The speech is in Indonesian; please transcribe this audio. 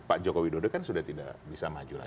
pak jokowi dodo kan sudah tidak bisa maju lagi